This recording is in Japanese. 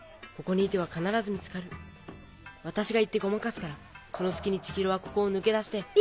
ここにいては必ず見つかる私が行ってごまかすからそのすきに千尋はここを抜け出して。